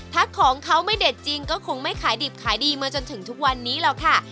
ถ้าของเขาไม่เด็ดจริงก็คงไม่ขายดิบขายดีมาจนถึงทุกวันนี้หรอกค่ะ